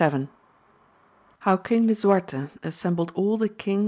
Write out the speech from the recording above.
— IIow King Lisuarte assembled all the king!